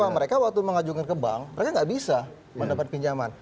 karena mereka sudah menunjukkan ke bank mereka tidak bisa mendapat pinjaman